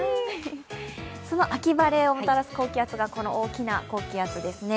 その秋晴れをもたらすのが、この大きな高気圧ですね。